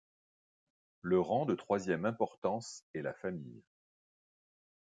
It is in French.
Le rang de troisième importance est la famille.